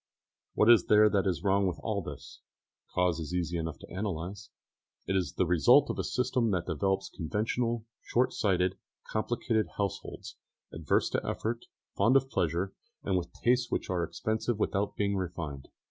What is there that is wrong with all this? The cause is easy enough to analyse. It is the result of a system which develops conventional, short sighted, complicated households, averse to effort, fond of pleasure, and with tastes which are expensive without being refined.